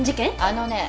あのね